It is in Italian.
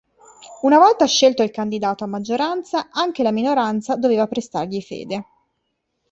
Una volta scelto il candidato a maggioranza, anche la minoranza doveva prestargli fede.